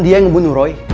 dia yang membunuh andi